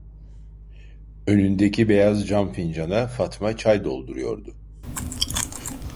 Önündeki beyaz cam fincana Fatma çay dolduruyordu.